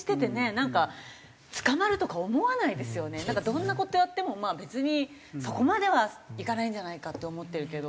なんかどんな事やってもまあ別にそこまではいかないんじゃないかって思ってるけど。